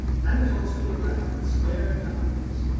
Anatole stood erect with staring eyes.